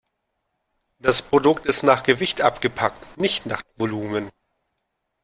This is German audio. Das Produkt ist nach Gewicht abgepackt, nicht nach Volumen.